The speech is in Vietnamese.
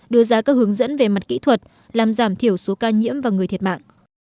đưa ra các hướng dẫn về mặt kỹ thuật làm giảm thiểu số ca nhiễm và người thiệt mạng